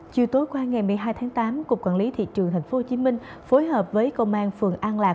chiều tối qua ngày một mươi hai tháng tám cục quản lý thị trường tp hcm phối hợp với công an phường an lạc